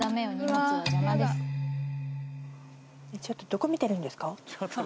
ちょっとどこ見てるんですか？